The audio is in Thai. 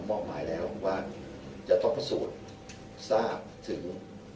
มอบหมายแล้วว่าจะต้องพิสูจน์ทราบถึง